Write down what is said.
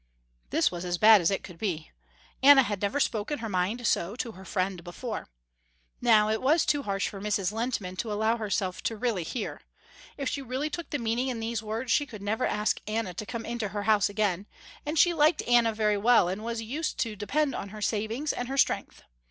This was as bad as it could be. Anna had never spoken her mind so to her friend before. Now it was too harsh for Mrs. Lehntman to allow herself to really hear. If she really took the meaning in these words she could never ask Anna to come into her house again, and she liked Anna very well, and was used to depend on her savings and her strength.